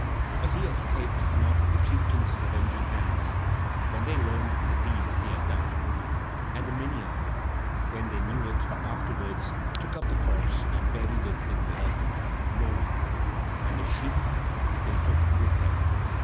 But he escaped not the chieftains' avenging hands, when they learned the deed he had done. And the Minyae, when they knew it, afterwards took up the corpse and buried it in the earth, mourning; and the sheep they took with them.